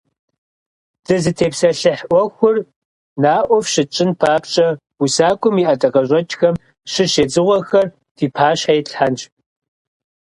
Дызытепсэлъыхь Ӏуэхур наӀуэ фщытщӀын папщӀэ усакӀуэм и ӀэдакъэщӀэкӀхэм щыщ едзыгъуэхэр фи пащхьэ итлъхьэнщ.